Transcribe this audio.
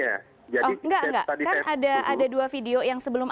dan setali r estabil k examen ke esok pingga saya berubat di urutan bidu itin